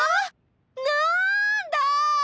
なんだ！